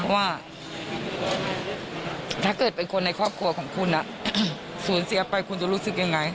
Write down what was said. ว่าถ้าเกิดเป็นคนในครอบครัวของคุณสูญเสียไปคุณจะรู้สึกยังไง